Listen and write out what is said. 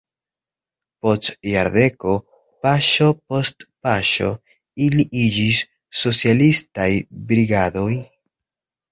Post jardeko paŝo post paŝo ili iĝis "socialistaj brigadoj".